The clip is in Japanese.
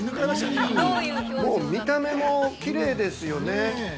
◆もう見た目もきれいですよね。